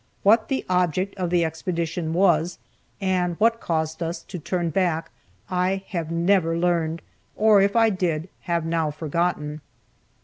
What the object of the expedition was, and what caused us to turn back, I have never learned, or if I did, have now forgotten.